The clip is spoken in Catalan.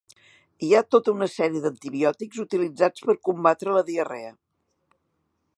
Hi ha tota una sèrie d'antibiòtics utilitzats per combatre la diarrea.